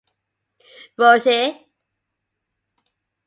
Roche.